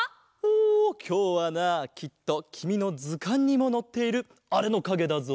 おきょうはなきっときみのずかんにものっているあれのかげだぞ。